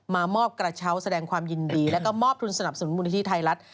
มามอบกระเช้าแสดงความยินดีแล้วก็มอบทุนสนับสนุนมูลนิธิไทยรัฐ